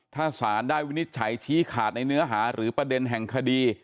ถ้าสารได้วินิจฉัยชี้ขาดในเนื้อหาหรือประเด็นแห่งคดี